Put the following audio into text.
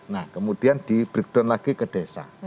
nah kemudian di breakdown lagi ke desa